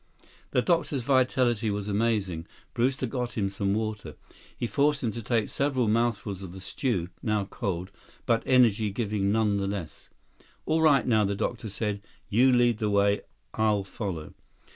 The doctor's vitality was amazing. Brewster got him some water. He forced him to take several mouthfuls of the stew, now cold, but energy giving nonetheless. "All right, now," the doctor said. "You lead the way. I'll follow."